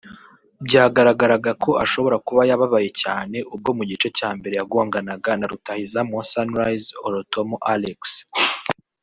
byagaragaraga ko ashobora kuba yababaye cyane ubwo mu gice cya mbere yagonganaga na rutahizamu wa Sunrise Orotomal Alex